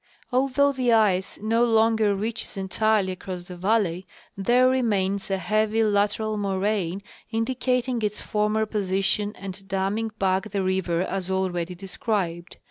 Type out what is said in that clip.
Although the ice no longer reaches entirely across the valley, there remains a heavy lateral moraine, indicating its former position and damming back the river as already described.